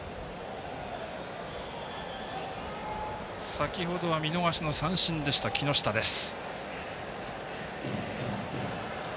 先ほどは見逃し三振でした木下です。